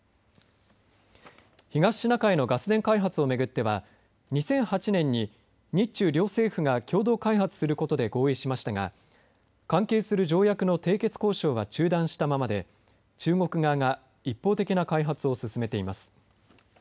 東シナ海のガス田開発を巡っては２００８年に日中両政府が共同開発することで合意しましたが関係する条約の締結交渉は中断したままで中国側が一方的な開発を進めています。